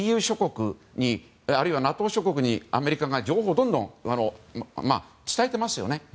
あるいは、ＥＵ諸国にＮＡＴＯ諸国にアメリカが情報をどんどん伝えていますよね。